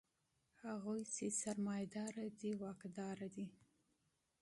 هغوی چې شتمن دي ځواکمن دي؛